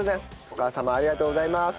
ありがとうございます。